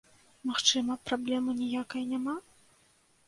Магчыма, праблемы ніякай няма?